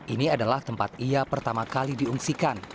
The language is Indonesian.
ini adalah tempat ia pertama kali diungsikan